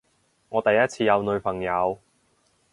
我第一次有女朋友